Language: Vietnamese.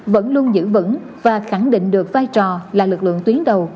vẫn luôn giữ vững và khẳng định được vai trò là lực lượng tuyến đầu